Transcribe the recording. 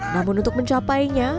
namun untuk mencapainya